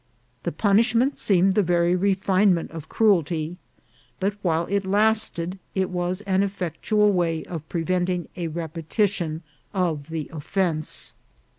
The punishment seemed the very refinement of cruelty, but while it last ed it was an effectual way of preventing a repetition of the offence.